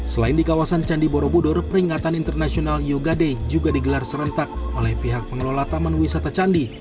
selain di kawasan candi borobudur peringatan internasional yoga day juga digelar serentak oleh pihak pengelola taman wisata candi